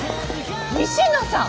西野さん！